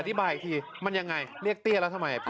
อธิบายอีกทีมันยังไงเรียกเตี้ยแล้วทำไม